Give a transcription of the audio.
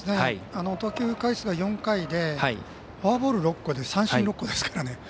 投球回数は４回でフォアボール６個で三振６個ですからね。